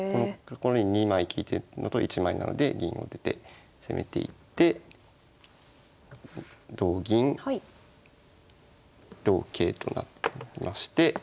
２枚利いてるのと１枚なので銀を出て攻めていって同銀同桂となりまして。